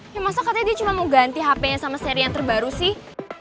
ya masa katanya dia cuma mau ganti hp nya sama seri yang terbaru sih